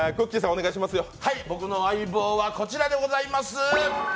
僕の相棒はこちらでございます。